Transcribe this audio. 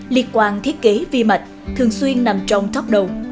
liên quan thiết kế vi mạch thường xuyên nằm trong top đầu